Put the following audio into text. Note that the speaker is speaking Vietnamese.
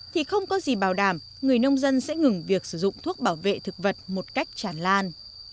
thì không có gì bảo đảm người nông dân sẽ ngừng việc sử dụng thuốc bảo vệ thực vật một cách tràn lan